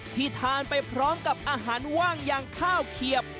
ที่ทานไปพร้อมกับอาหารว่างอย่างข้าวเขียบ